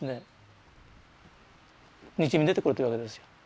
にじみ出てくるというわけですよ。